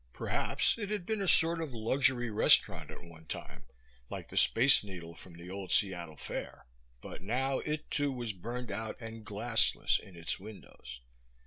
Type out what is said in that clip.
Perhaps it had been a sort of luxury restaurant at one time, like the Space Needle from the old Seattle Fair, but now it too was burned out and glassless in its windows.